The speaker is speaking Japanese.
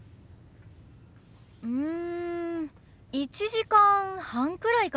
うん１時間半くらいかな。